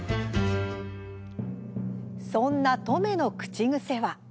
そんな乙女の口癖は。